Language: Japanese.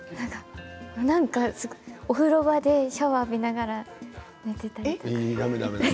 お風呂場でシャワーを浴びながら寝ていたりだめだめだめ。